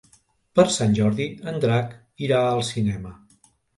Per Sant Jordi en Drac irà al cinema.